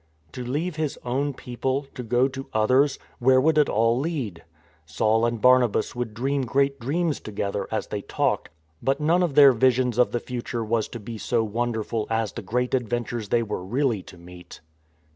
To leave his own people, to go to others — where would it all lead? Saul and Barnabas would dream great dreams together, as they talked; but none of their visions of the future was to be so wonderful as the great adventures they were really to meet.